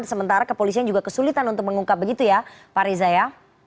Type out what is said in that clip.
sementara kepolisian juga kesulitan untuk mengungkap begitu ya pak reza ya